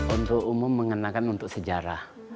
untuk umum mengenakan untuk sejarah